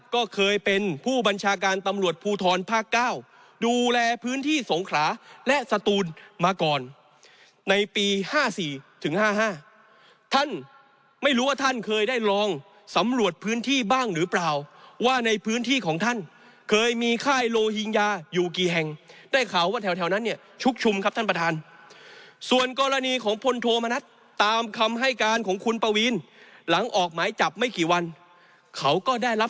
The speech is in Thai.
ก็เคยเป็นผู้บัญชาการตำรวจภูทรภาคเก้าดูแลพื้นที่สงขลาและสตูนมาก่อนในปี๕๔ถึง๕๕ท่านไม่รู้ว่าท่านเคยได้ลองสำรวจพื้นที่บ้างหรือเปล่าว่าในพื้นที่ของท่านเคยมีค่ายโลหิงญาอยู่กี่แห่งได้ข่าวว่าแถวนั้นเนี่ยชุกชุมครับท่านประธานส่วนกรณีของพลโทมณัฐตามคำให้การของคุณปวีนหลังออกหมายจับไม่กี่วันเขาก็ได้รับ